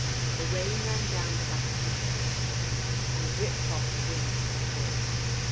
The rain ran down the back of his coat collar, and dripped off the rim of his tall hat.